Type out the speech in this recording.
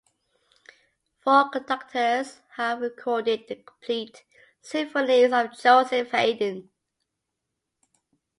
Four conductors have recorded the complete symphonies of Joseph Haydn.